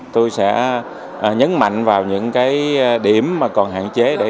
tôi sẽ nhấn mạnh vào những cái điểm mà còn hạn chế để